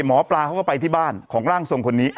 หมอปลาเขาก็ไปที่บ้านของร่างทรงคนนี้